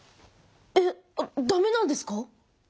えっだめなんですか？